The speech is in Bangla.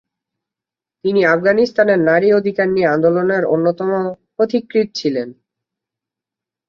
তিনি আফগানিস্তানে নারী অধিকার নিয়ে আন্দোলনের অন্যতম পথিকৃৎ ছিলেন।